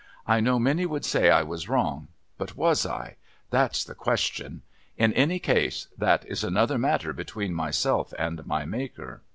"I know many would say I was wrong. But was I? That's the question. In any case that is another matter between myself and my Maker."